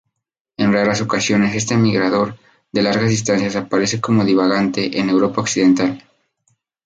En raras ocasiones este migrador de largas distancias aparece como divagante en Europa occidental.